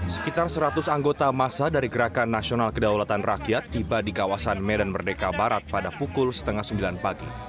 sekitar seratus anggota masa dari gerakan nasional kedaulatan rakyat tiba di kawasan medan merdeka barat pada pukul setengah sembilan pagi